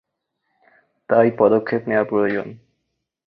তাই পদক্ষেপ নেয়া প্রয়োজন।